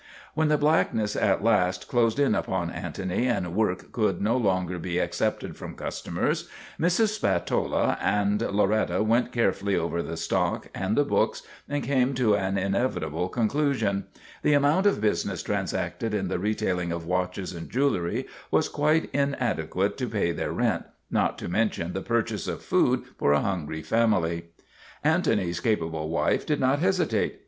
When the blackness at last closed in upon Antony and work could no longer be accepted from cus tomers, Mrs. Spatola and Loretta went carefully over the stock and the books and came to an inevi table conclusion. The amount of business trans acted in the retailing of watches and jewelry was quite inadequate to pay their rent, not to mention the purchase of food for a hungry family. Antony's capable wife did not hesitate.